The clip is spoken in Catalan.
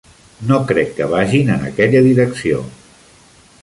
No crec que vagin en aquella direcció.